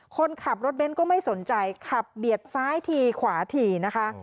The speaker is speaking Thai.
คนขับรถเบ้นก็ไม่สนใจขับเบียดซ้ายทีขวาทีนะคะ